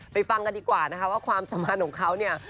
ไปฟังกันดีกว่านะคะว่าความสำหรับเขาเนี่ย